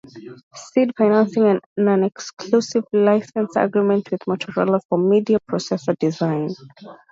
Seed financing and non-exclusive license agreement with Motorola for media processor design.